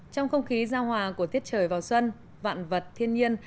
trong không khí giao hòa của tiết trời vào xuân vạn vật thiên nhiên